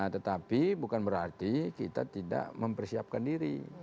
tetapi bukan berarti kita tidak mempersiapkan diri